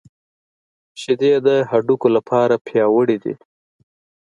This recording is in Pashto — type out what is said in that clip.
شیدې د هډوکو لپاره پياوړې دي